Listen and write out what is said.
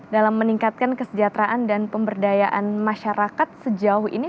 dalam meningkatkan kesejahteraan dan pemberdayaan masyarakat sejauh ini